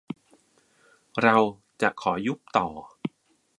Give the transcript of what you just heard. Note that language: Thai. เรา จะขอยุบต่อ